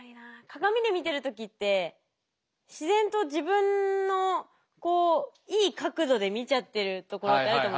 鏡で見てる時って自然と自分のいい角度で見ちゃってるところってあると。